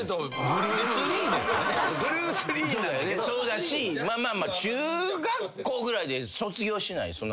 そうだしまあまあ中学校ぐらいで卒業しない？